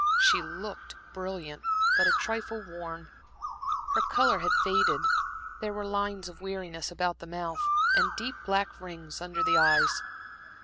She looked brilliant, but a trifle worn; her color had faded, there were lines of weariness about the mouth, and deep black rings under the eyes.